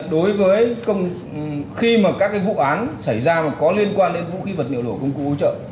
đối với khi mà các vụ án xảy ra có liên quan đến vũ khí vật liệu đổ công cụ ưu trợ